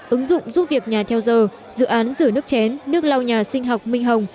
ứng dụng giúp việc nhà theo giờ dự án rửa nước chén nước lau nhà sinh học minh hồng